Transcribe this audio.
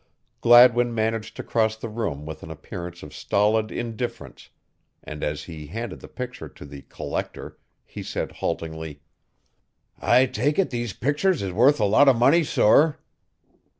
Gladwin managed to cross the room with an appearance of stolid indifference and as he handed the picture to the "collector" he said haltingly: "I take it these pictures is worth a lot of money, sorr."